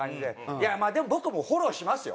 いやまあでも僕もフォローしますよ。